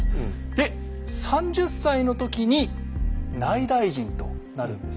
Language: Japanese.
で３０歳の時に内大臣となるんですね。